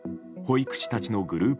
保育士たちのグループ